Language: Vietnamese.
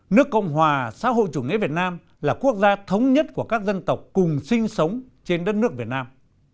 nước cộng hòa xã hội chủ nghĩa việt nam là quốc gia thống nhất của các dân tộc cùng sinh sống trên đất nước việt nam